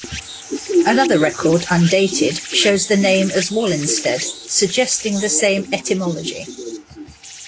Another record, undated, shows the name as "Wolinstede", suggesting the same etymology.